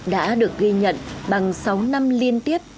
đã được ghi nhận bằng sáu năm liên tiếp